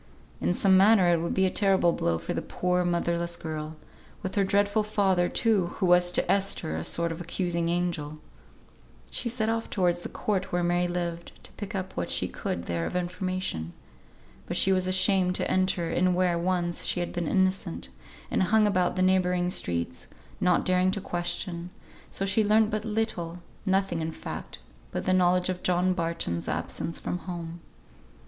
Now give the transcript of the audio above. In some manner it would be a terrible blow for the poor, motherless girl; with her dreadful father, too, who was to Esther a sort of accusing angel. She set off towards the court where Mary lived, to pick up what she could there of information. But she was ashamed to enter in where once she had been innocent, and hung about the neighbouring streets, not daring to question, so she learnt but little; nothing in fact but the knowledge of John Barton's absence from home.